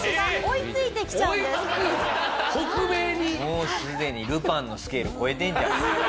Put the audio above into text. もうすでに『ルパン』のスケール超えてんじゃん。